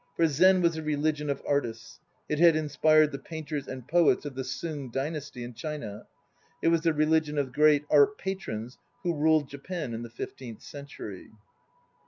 For Zen was the religion of artists; it had inspired the painters and poets of the Sung dynasty in China; it was the religion of the great art patrons who ruled Japan in the fifteenth century.